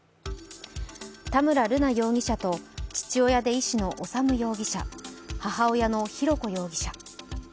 田村瑠奈容疑者と父親で医師の修容疑者、母親の浩子容疑者。